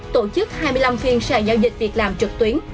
tổ chức hai mươi năm phiên sàn giao dịch việc làm trực tuyến